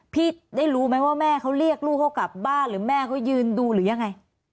พี่ได้รู้ไหมว่าแม่เขาเรียกลูกเขากลับบ้านหรือแม่เขายืนดูหรือยังไง